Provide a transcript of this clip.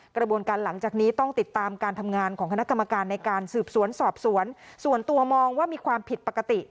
กระบวนการหลังจากนี้ต้องติดตามการทำงานของคณะกรรมการในการสืบสวนสอบสวนส่วนตัวมองว่ามีความผิดปกติ